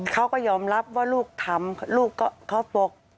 เขาก็ยอมรับว่าลูกทำลูกก็เขาบอก